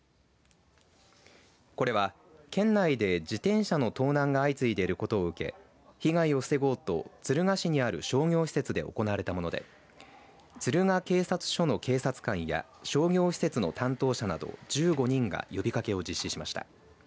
これは県内で自転車の盗難が相次いでいることを受け被害を防ごうと敦賀市にある商業施設で行われたもので敦賀警察署の警察官や商業施設の担当者など１５人が呼びかけを実施しました。